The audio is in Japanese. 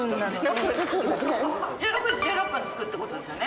１６時１６分に着くってことですよね。